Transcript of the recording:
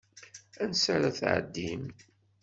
Ansa ara tɛeddim?